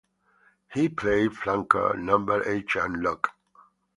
He played flanker, number eight and lock.